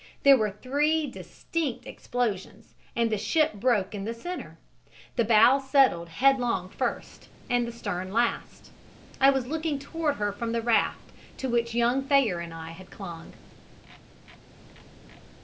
There were three distinct explosions and the ship broke in the center. The bow settled headlong first, and the stern last. I was looking toward her from the raft to which young Thayer and I had clung."